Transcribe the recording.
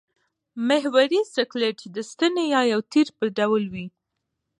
محوري سکلېټ د ستنې یا یو تیر په ډول دی.